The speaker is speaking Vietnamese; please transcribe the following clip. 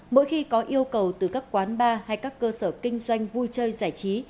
mỗi khi có yêu cầu từ các quán bar hay các cơ sở kinh doanh vui chơi giải trí